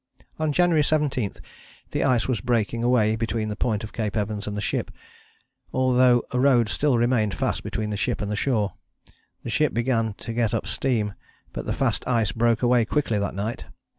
On January 17 the ice was breaking away between the point of Cape Evans and the ship, although a road still remained fast between the ship and the shore. The ship began to get up steam, but the fast ice broke away quickly that night.